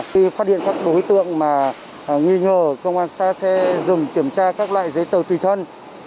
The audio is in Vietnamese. khi phát hiện các đối tượng mà nghi nhờ công an xác sẽ dùng kiểm tra các loại giấy tờ tùy thân